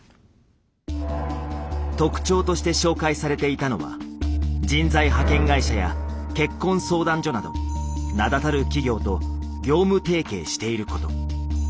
特徴として紹介されていたのは人材派遣会社や結婚相談所など名だたる企業と業務提携していること。